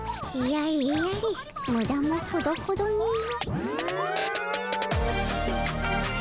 やれやれムダもほどほどにの。